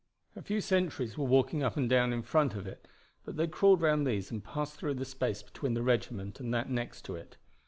A few sentries were walking up and down in front of it, but they crawled round these and passed through the space between the regiment and that next to it.